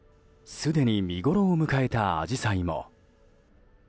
すでに見ごろを迎えたアジサイも。